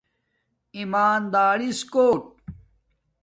ایمادارس کُوٹ